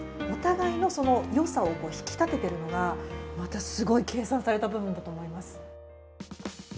お互いの良さを引き立てているのがまたすごい計算された部分だと思います。